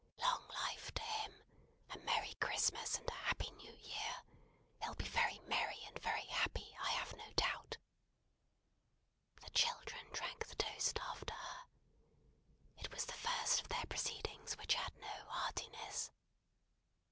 Long life to him! A merry Christmas and a happy new year! He'll be very merry and very happy, I have no doubt!" The children drank the toast after her. It was the first of their proceedings which had no heartiness.